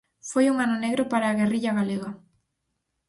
Foi un ano negro para a guerrilla galega.